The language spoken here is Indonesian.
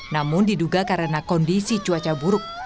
namun diduga karena kondisi cuaca buruk